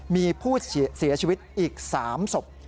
มีผู้เสียชีวิตอีก๓ศพ